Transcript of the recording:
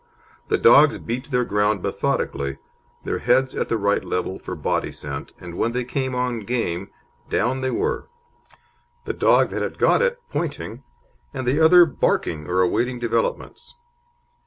The dogs beat their ground methodically, their heads at the right level for body scent, and when they came on game, down they were; the dog that had got it pointing, and the other barking or awaiting developments.